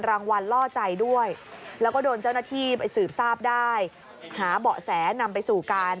รางวัลล่อใจด้วยแล้วก็โดนเจ้าหน้าที่ไปสืบทราบได้หาเบาะแสนำไปสู่การ